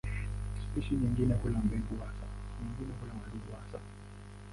Spishi nyingine hula mbegu hasa, nyingine hula wadudu hasa.